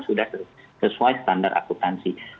sudah sesuai standar akuntansi